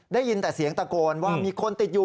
ได้ยินแต่เสียงตะโกนว่ามีคนติดอยู่